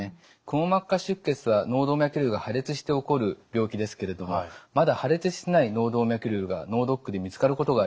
くも膜下出血は脳動脈瘤が破裂して起こる病気ですけれどもまだ破裂してない脳動脈瘤が脳ドックで見つかることがあります。